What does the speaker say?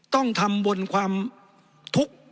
ต้องทำบนความทุกข์